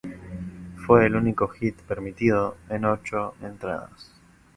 Fue el único hit permitido en ocho entradas.